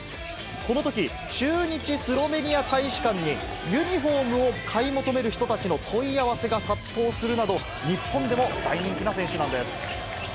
このとき、駐日スロベニア大使館にユニホームを買い求める人たちの問い合わせが殺到するなど、日本でも大人気の選手なんです。